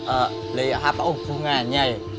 eh apa hubungannya ya